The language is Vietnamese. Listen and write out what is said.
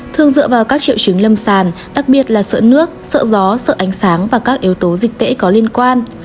thường dựa vào các triệu chứng lâm sàng đặc biệt là sợ nước sợ gió sợ ánh sáng và các yếu tố dịch tễ có liên quan